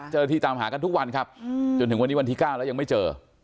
เจอที่ตามหากันทุกวันครับอืมจนถึงวันนี้วันที่เก้าแล้วยังไม่เจอ